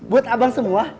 buat abang semua